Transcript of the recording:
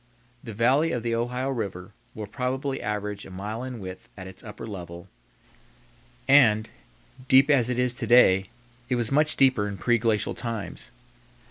The valley of the Ohio River will probably average a mile in width at its upper level and, deep as it is to day, it was much deeper in preglacial times.